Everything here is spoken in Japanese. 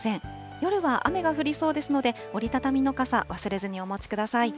夜は雨が降りそうですので、折り畳みの傘、忘れずにお持ちください。